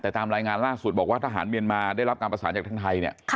แต่ตามรายงานล่าสุดบอกว่าทหารเมียนมาได้รับการประสานจากทางไทยเนี่ย